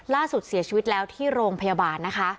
ล่าสุดเสียชีวิตแล้วที่โรงพยาบาลนะคะ